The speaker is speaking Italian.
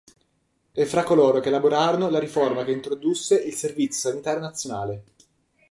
È fra coloro che elaborarono la riforma che introdusse il Servizio Sanitario Nazionale.